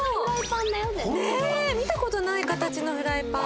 ねっ見た事ない形のフライパン。